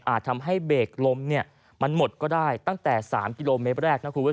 อาจทำให้เบรกลบมันหมดก็ได้ตั้งแต่๓กิโลเมตรแรก